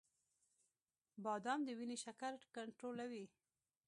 • بادام د وینې شکر کنټرولوي.